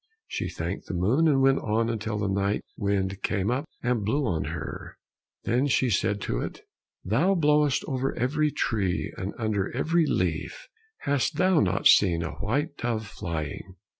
She thanked the moon, and went on until the night wind came up and blew on her, then she said to it, "Thou blowest over every tree and under every leaf, hast thou not seen a white dove flying?"